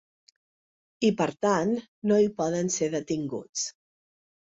I, per tant, no hi poden ser detinguts.